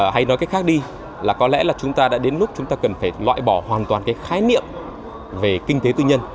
hay nói cách khác đi là có lẽ là chúng ta đã đến lúc chúng ta cần phải loại bỏ hoàn toàn cái khái niệm về kinh tế tư nhân